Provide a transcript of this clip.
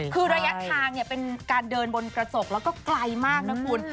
คือระยะทางเป็นการเดินบนกระจกแล้วก็ไกลมากนะคุณ